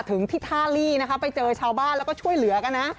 ถึงที่ท่าลี่นะคะไปเจอชาวบ้านแล้วก็ช่วยเหลือกันนะ